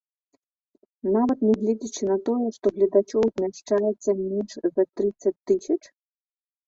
Нават нягледзячы на тое, што гледачоў змяшчаецца менш за трыццаць тысяч?